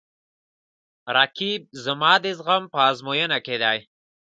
رقیب زما د زغم په ازموینه کې دی